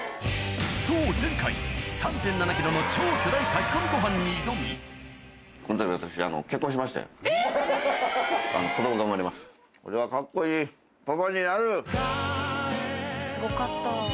そう前回３．７ｋｇの超巨大炊き込みご飯に挑みえっ⁉・おぉすごい！